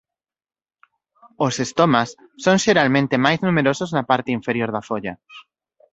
Os estomas son xeralmente máis numerosos na parte inferior da folla.